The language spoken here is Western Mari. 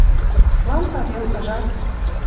Лампа вел, ыжат.